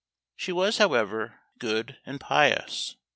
She was, however, good and pious.